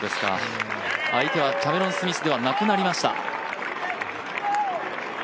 相手はキャメロン・スミスではなくなりました。